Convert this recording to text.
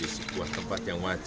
ini membutuhkan investasi yang besar